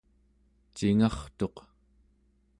cingartuq